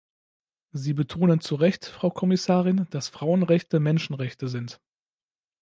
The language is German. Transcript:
Sie betonen zu Recht, Frau Kommissarin, dass Frauenrechte Menschenrechte sind.